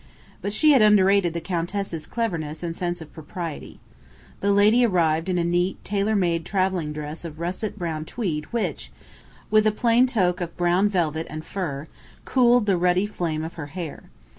But she had underrated the Countess's cleverness and sense of propriety. The lady arrived in a neat, tailor made travelling dress of russet brown tweed which, with a plain toque of brown velvet and fur, cooled the ruddy flame of her hair.